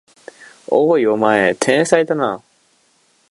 おい、お前天才だな！